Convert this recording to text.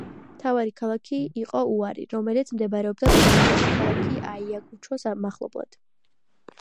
მთავარი ქალაქი იყო უარი, რომელიც მდებარეობდა დღევანდელი ქალაქი აიაკუჩოს მახლობლად.